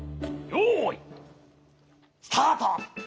よいスタート！